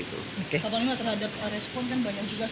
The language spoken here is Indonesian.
pak panglima terhadap respon kan banyak juga